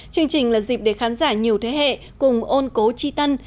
chương trình là dịp để khán giả nhiều thế hệ cùng ôn cố chi tân